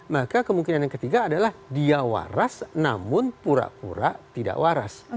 maka kemungkinan yang ketiga adalah dia waras namun pura pura tidak waras